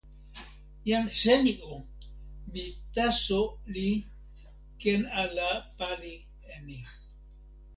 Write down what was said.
jan Seni o, mi taso li ken ala pali e ni.